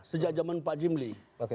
sejak zaman pak jimli